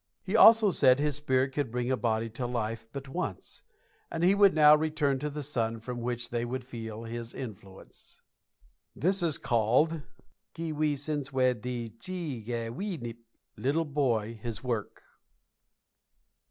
He also said his spirit could bring a body to life but once, and he would now return to the sun, from which they would feel his influence. This is called "Kwi wi senswed di tshi ge wi nip" "Little boy, his work."